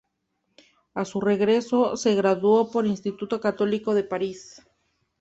A su regreso se graduó por el Instituto Católico de París.